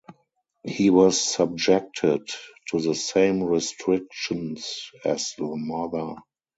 He was subjected to the same restrictions as the mother.